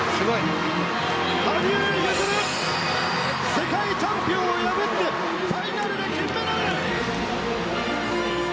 羽生結弦、世界チャンピオンを破ってファイナルで金メダル！